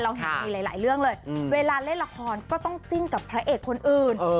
เห็นมีหลายเรื่องเลยเวลาเล่นละครก็ต้องจิ้นกับพระเอกคนอื่น